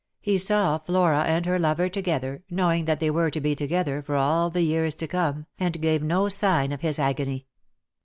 He saw Flora and her lover together, knowing that they were to be together for all the years to come, and gave no sign of his agony.